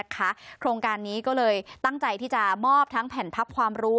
โครงการนี้ก็เลยตั้งใจที่จะมอบทั้งแผ่นพับความรู้